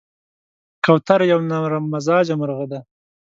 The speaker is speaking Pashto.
کوتره یو نرممزاجه مرغه ده.